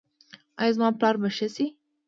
ایا زما پلار به ښه شي؟